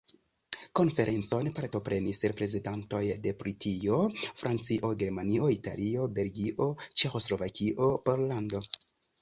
La konferencon partoprenis reprezentantoj de Britio, Francio, Germanio, Italio, Belgio, Ĉeĥoslovakio, Pollando.